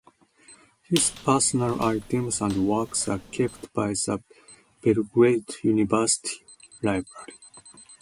His personal items and works are kept by the Belgrade University Library.